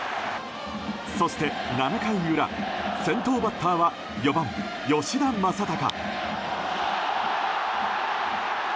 そして、７回裏先頭バッターは４番、吉田正尚。